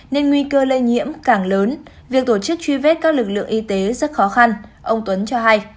nên nguy cơ lây nhiễm càng lớn việc tổ chức truy vết các lực lượng y tế rất khó khăn ông tuấn cho hay